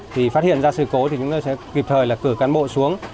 thì phát hiện ra sự cố thì chúng tôi sẽ kịp thời là cử cán bộ xuống